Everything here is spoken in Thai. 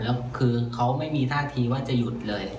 แล้วคือเขาไม่มีท่าทีว่าจะหยุดเลย